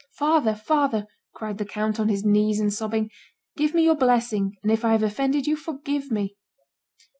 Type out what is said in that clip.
"Father, father," cried the count, on his knees and sobbing, "give me your blessing; and if I have offended you, forgive me."